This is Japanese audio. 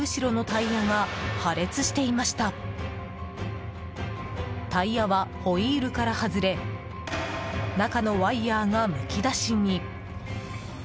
タイヤはホイールから外れ中のワイヤがむき出しに。